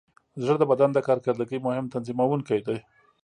زړه د بدن د کارکردګۍ مهم تنظیموونکی دی.